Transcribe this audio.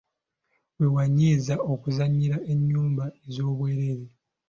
Wa we nnyinza okuzannyira ennyimba ez'obwereere ?